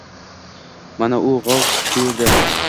Mana u – g‘ov – shu yerda!